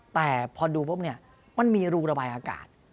แต่พอดูปุ๊บเนี่ยมันมีรูระบายอากาศ